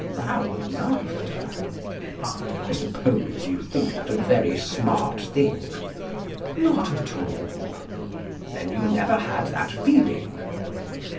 (Loud laughter.) I suppose you think that a very smart thing? Not at all. Then you never had that feeling?